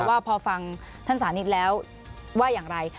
ว่าพอฟังท่านสานิทแล้วว่าอย่างไร